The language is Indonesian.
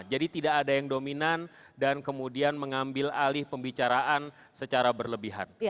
jadi tidak ada yang dominan dan kemudian mengambil alih pembicaraan secara berlebihan